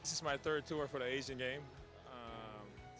ini adalah pertemuan ketiga saya untuk asian games